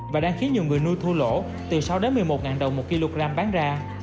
và đang khiến nhiều người nuôi thu lỗ từ sáu một mươi một đồng một kg bán ra